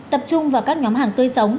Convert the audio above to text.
tập trung vào các nhóm hàng tươi sống